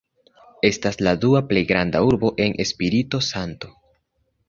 Estas la dua plej granda urbo en Espirito-Santo.